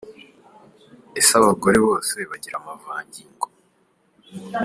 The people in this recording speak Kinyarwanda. Ese abagore bose bagira amavangingo ?.